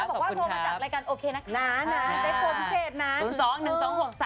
ขอบคุณพร้อมแต่อย่าลืมเข้ามาบอกว่าโทรมาจากรายการโอเคนะคะ